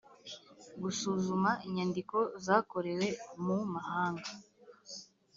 gusuzuma inyandiko zakorewe mu mahanga